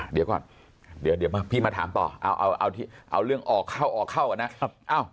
เดี๋ยวก่อนพี่มาถามต่อเอาเรื่องออกเข้าก่อนนะ